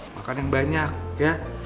makan yang banyak ya